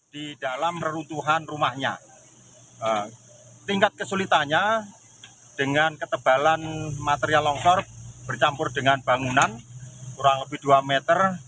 di dalam reruntuhan rumahnya tingkat kesulitannya dengan ketebalan material longsor bercampur dengan bangunan kurang lebih dua meter